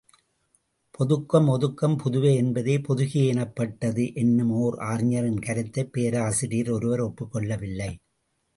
பொதுக்கம் ஒதுக்கம் புதுவை என்பதே பொதுகே எனப்பட்டது என்னும் ஓர் அறிஞரின் கருத்தைப் பேராசிரியர் ஒருவர் ஒப்புக் கொள்ளவில்லை.